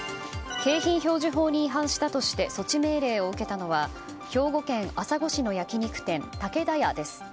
景品表示法に違反したとして措置命令を受けたのは兵庫県朝来市の焼き肉店竹田屋です。